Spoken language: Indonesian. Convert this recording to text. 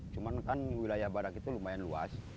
cuma kan wilayah badak itu lumayan luas